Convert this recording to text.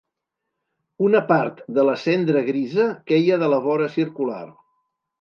Una part de la cendra grisa queia de la vora circular.